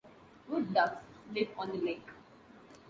Wood ducks live on the lake.